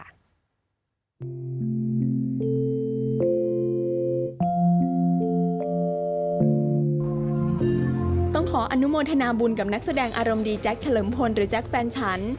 ต้องขออนุโมทนาบุญกับนักแสดงอารมณ์ดีแจ๊คเฉลิมพลหรือแจ๊คแฟนฉัน